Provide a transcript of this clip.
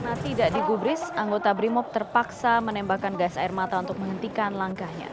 karena tidak digubris anggota brimob terpaksa menembakkan gas air mata untuk menghentikan langkahnya